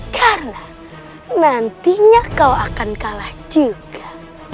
karena nantinya kau akan kalah juga